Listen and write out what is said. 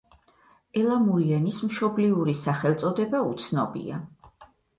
ელამური ენის მშობლიური სახელწოდება უცნობია.